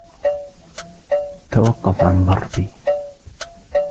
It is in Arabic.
توقف عن ضربي.